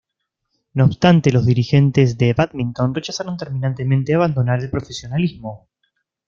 No obstante, los dirigentes de Badminton rechazaron terminantemente abandonar el profesionalismo.